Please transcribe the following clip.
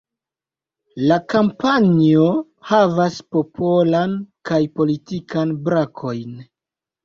La kampanjo havas Popolan kaj Politikan brakojn.